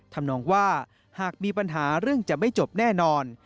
ทำนองว่าหากมีปัญหาเรื่องจะไม่จบแน่นอน